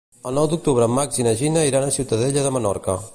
El nou d'octubre en Max i na Gina iran a Ciutadella de Menorca.